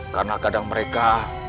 karena kadang mereka